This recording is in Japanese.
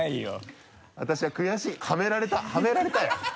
私は悔しいはめられたはめられたよ。